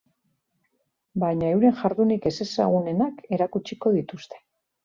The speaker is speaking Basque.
Baina euren jardunik ezezagunenak erakutsiko dituzte.